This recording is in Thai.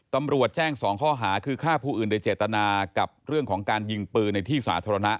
ตำรวจแจ้ง๒ข้อหาคือฆ่าผู้อื่นโดยเจตนากับเรื่องของการยิงปืนในที่สาธารณะ